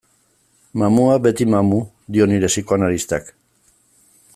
Mamuak beti mamu, dio nire psikoanalistak.